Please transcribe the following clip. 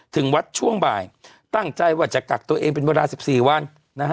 ถึงวัดช่วงบ่ายตั้งใจว่าจะกักตัวเองเป็นเวลา๑๔วันนะฮะ